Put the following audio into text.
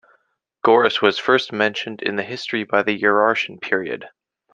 Goris was first mentioned in the history by the Urartian period.